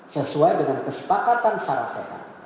sesuai dengan kesepakatan saya